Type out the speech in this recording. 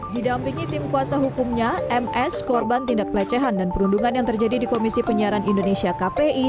didampingi tim kuasa hukumnya ms korban tindak pelecehan dan perundungan yang terjadi di komisi penyiaran indonesia kpi